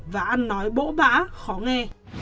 và ăn nói bỗ bã khó nghe